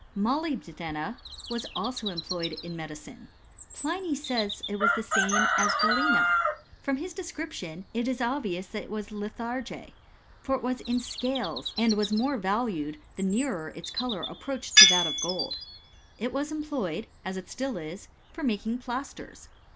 Molybdena was also employed in medicine. Pliny says It was the same as galena. From his descnption ^ it is obvious that it was litharge ; for it was in scales, ^ and was more valued the nearer its colour approached x to that of gold. It was employed, as it still is, for j making plasters.